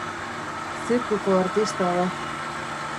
Zirkuko artista da.